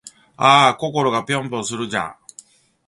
あぁ〜心がぴょんぴょんするんじゃぁ〜